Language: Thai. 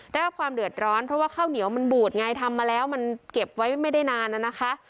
ได้รับความเดือดร้อนเพราะว่าข้าวเหนียวมันบูดไงทำมาแล้วมันเก็บไว้ไม่ได้นานน่ะนะคะ